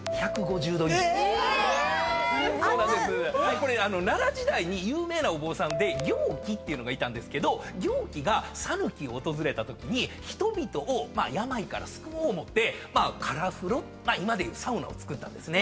これ奈良時代に有名なお坊さんで行基っていうのがいたんですけど行基が讃岐を訪れたときに人々を病から救おう思うてから風呂今でいうサウナを作ったんですね。